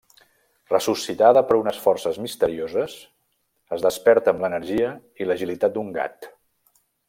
Ressuscitada per unes forces misterioses, es desperta amb l'energia i l'agilitat d'un gat.